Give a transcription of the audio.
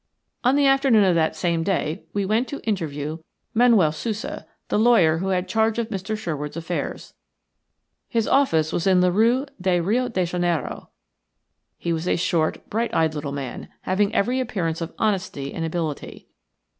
On the afternoon of that same day we went to interview Manuel Sousa, the lawyer who had charge of Mr. Sherwood's affairs. His office was in the Rue do Rio Janeiro. He was a short, bright eyed little man, having every appearance of honesty and ability.